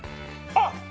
あっ！